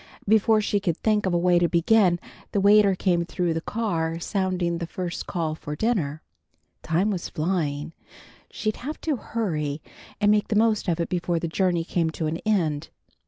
Before she could think of a way to begin, a waiter came through the car, sounding the first call for dinner. Time was flying. She'd have to hurry, and make the most of it before the journey came to an end.